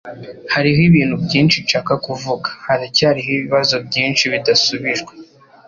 Hariho ibintu byinshi nshaka kuvuga. Haracyariho ibibazo byinshi bidasubijwe.